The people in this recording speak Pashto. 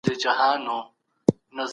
علامه رشاد یو ریښتینی محقق او لیکوال وو.